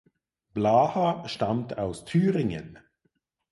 Blaha stammt aus Thüringen.